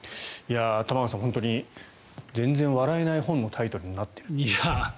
玉川さん、本当に全然笑えない本のタイトルになっています。